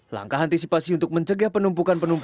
langkah antisipasi untuk mencegah penumpukan penumpang